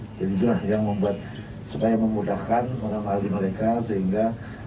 jadi itulah yang membuat supaya memudahkan orang orang di mereka sehingga